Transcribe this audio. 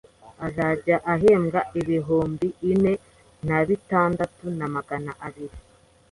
azajya ahembwa ibihumbi ine nabitandatu na Magana abiri